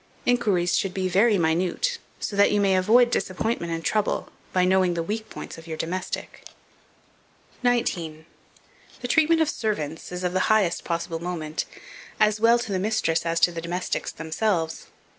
Inquiries should be very minute, so that you may avoid disappointment and trouble, by knowing the weak points of your domestic. 19. THE TREATMENT OF SERVANTS is of the highest possible moment, as well to the mistress as to the domestics themselves.